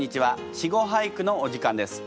「稚語俳句」のお時間です。